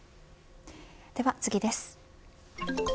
では次です。